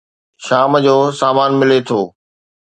شام جو سامان ملي ٿو.